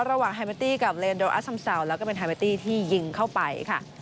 ระหว่างแฮมเมตตี้กับเรนโดอสัมเสาแล้วก็เป็นแฮมเมตตี้ที่ยิงเข้าไปค่ะ